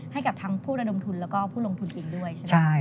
ให้กับทั้งผู้ระดมทุนแล้วก็ผู้ลงทุนเองด้วยใช่ไหม